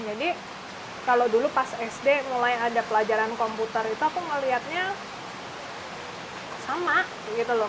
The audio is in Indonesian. jadi kalau dulu pas sd mulai ada pelajaran komputer itu aku melihatnya sama gitu loh